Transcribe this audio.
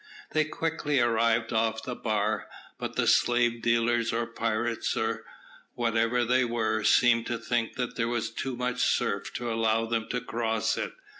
They quickly arrived off the bar, but the slave dealers or pirates, or whatever they were, seemed to think that there was too much surf to allow them to cross it.